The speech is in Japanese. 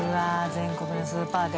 全国のスーパーで。